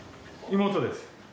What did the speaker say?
妹です。